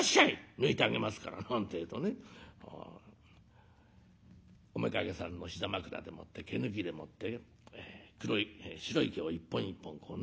抜いてあげますから」なんてえとねおめかけさんの膝枕でもって毛抜きでもって白い毛を一本一本こう抜いてもらいます。